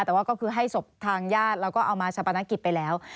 แต่ว่าก็คือให้ศพทางญาติแล้วก็เอามาชะปนกิจไปแล้ว